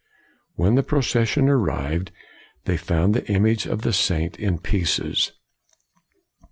When the proces sion arrived, they found the image of the saint in pieces.